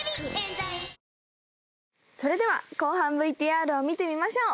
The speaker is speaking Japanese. それでは後半ＶＴＲを見てみましょう。